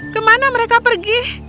kemana mereka pergi